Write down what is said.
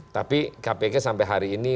tapi kpk sampai hari ini